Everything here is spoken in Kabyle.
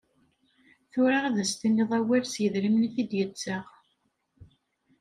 Tura ad as-tiniḍ awal s yedrimen i t-id-yettaɣ.